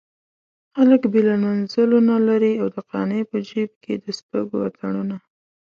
خلک بلند منزلونه لري او د قانع په جيب کې د سپږو اتڼونه.